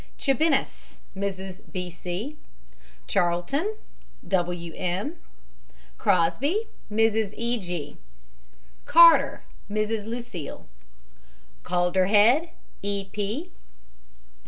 CHIBINACE, MRS. B. C. CHARLTON, W. M. CROSBY, MRS E. G. CARTER, MISS LUCILLE. CALDERHEAD, E. P.